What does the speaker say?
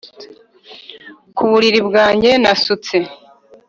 ku buriri bwanjye nasutse